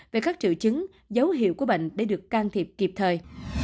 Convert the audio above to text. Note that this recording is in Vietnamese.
về các triệu chứng dấu hiệu của bệnh để được can thiệp kịp thời